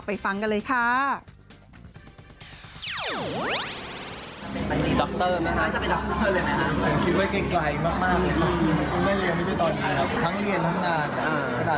ฟังกันเลยค่ะ